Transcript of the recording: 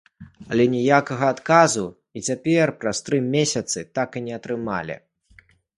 Але ніякага адказу і цяпер, праз тры месяцы, так і не атрымалі.